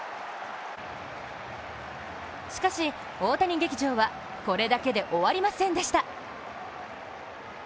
しかし大谷劇場はこれだけで終わりませんでした。